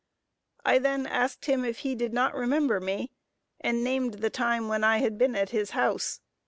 I then asked him if he did not remember me; and named the time when I had been at his house.